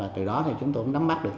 từ đó chúng tôi cũng đắm bắt được